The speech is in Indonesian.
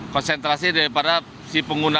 konsentrasi daripada si pengguna